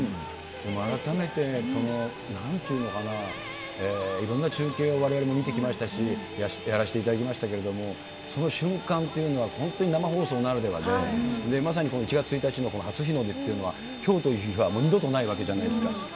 改めて、その、なんていうのかな、いろんな中継をわれわれも見てきましたし、やらせていただきましたけれども、その瞬間っていうのは、本当に生放送ならではで、まさに１月１日のこの初日の出っていうのは、きょうという日は二度とないわけじゃないですか。